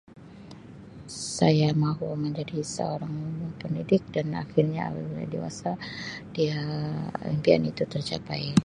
Saya mahu menjadi seorang pendidik dan akhirnya apabila dewasa dia impian itu tercapai.